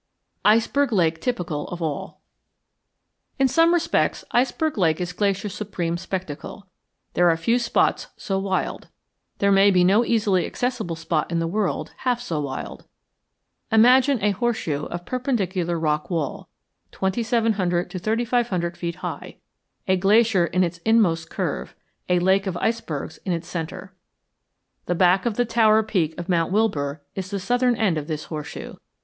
ICEBERG LAKE TYPICAL OF ALL In some respects Iceberg Lake is Glacier's supreme spectacle. There are few spots so wild. There may be no easily accessible spot in the world half so wild. Imagine a horseshoe of perpendicular rock wall, twenty seven hundred to thirty five hundred feet high, a glacier in its inmost curve, a lake of icebergs in its centre. The back of the tower peak of Mount Wilbur is the southern end of this horseshoe.